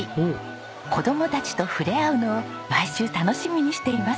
子供たちと触れ合うのを毎週楽しみにしています。